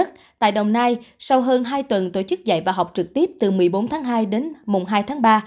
tại đồng nai sau hơn hai tuần tổ chức dạy và học trực tiếp từ một mươi bốn tháng hai đến mùng hai tháng ba